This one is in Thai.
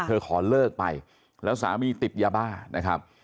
ขอเลิกไปแล้วสามีติดยาบ้านะครับ